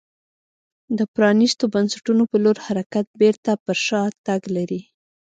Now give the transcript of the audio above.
د پرانیستو بنسټونو په لور حرکت بېرته پر شا تګ لري.